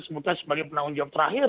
sebutnya sebagai penanggung jawab terakhir